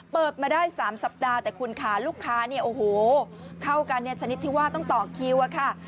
เปิดมาได้๓สัปดาห์แต่คุณการลูกค้าเนี่ยเข้ากันชนิดที่ว่าต้องตอบคิวอ่ะค่ะ